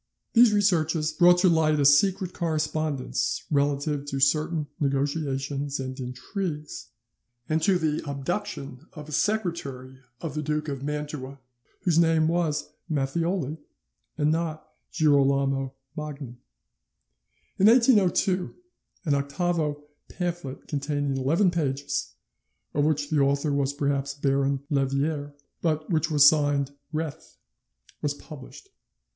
These researches brought to light a secret correspondence relative to certain negotiations and intrigues, and to the abduction of a secretary of the Duke of Mantua whose name was Matthioli, and not Girolamo Magni. In 1802 an octavo pamphlet containing 11 pages, of which the author was perhaps Baron Lerviere, but which was signed Reth, was published.